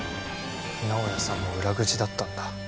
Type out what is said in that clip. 直哉さんも裏口だったんだ。